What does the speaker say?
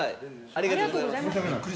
ありがとうございます。